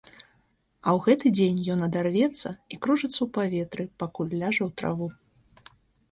А ў гэты дзень ён адарвецца і кружыцца ў паветры, пакуль ляжа ў траву.